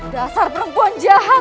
dasar perempuan jahat